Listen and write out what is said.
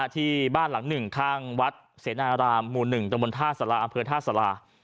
ที่บ้านหลัง๑ข้างวัดเศรษฐานรามหมู่๑ตรงบนท่าสลาอำเภอท่าสลา